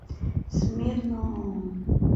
— Смирно-о!